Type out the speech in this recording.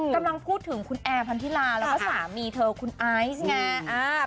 กำลังพูดถึงคุณแอร์พันธิลาแล้วก็สามีเธอคุณไอซ์ไง